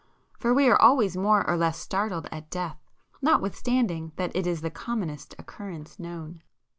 For we are always more or less startled at death notwithstanding that it is the commonest occurrence known.